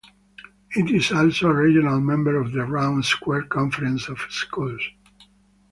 It is also a Regional Member of the Round Square Conference of Schools.